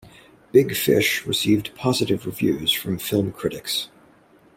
"Big Fish" received positive reviews from film critics.